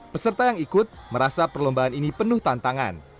peserta yang ikut merasa perlombaan ini penuh tantangan